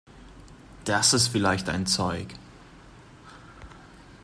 Das ist vielleicht ein Zeug!